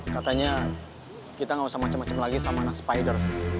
katanya kita ga usah macem macem lagi sama anak spider